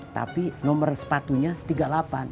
tapi nomor sepatunya tiga puluh delapan